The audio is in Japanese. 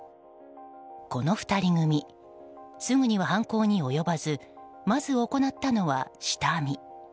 この２人組すぐには犯行に及ばずまず行ったのは、下見。